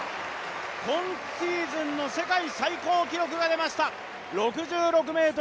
今シーズンの世界最高記録が出ました、６６ｍ９１ｃｍ。